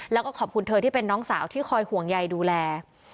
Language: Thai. แล้วก็ขอบคุณเธอที่เป็นน้องสาวที่คอยห่วงใยดูแล